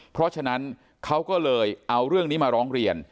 เพราะฉะนั้นเขาก็เลยเอาเรื่องนี้มาร้องเรียน